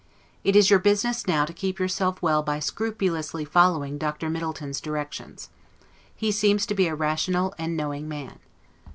It is your business now to keep yourself well by scrupulously following Dr. Middleton's directions. He seems to be a rational and knowing man.